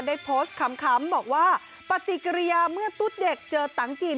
ได้โพสต์คำบอกว่าปฏิกิริยาเมื่อตุ๊ดเด็กเจอตังจีน